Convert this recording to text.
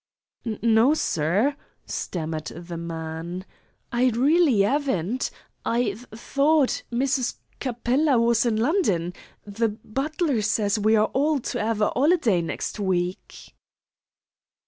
"N no, sir," stammered the man. "I really 'aven't I t t thought Mrs. C Capella was in London. The b butler says we are all to 'ave a 'oliday next week."